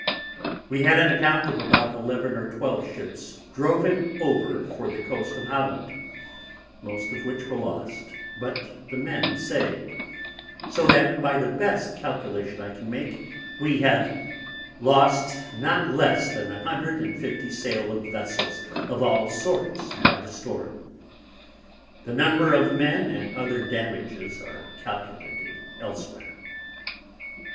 We had an Account of about 11 or 12 Ships droven over for the Coast of Holland, most of which were lost, but the Men saved, so that by the best Calculation I can make, we have not lost less than 150 sail of Vessels of all sorts by the Storm; the number of Men and other damages, are Calculated elsewhere.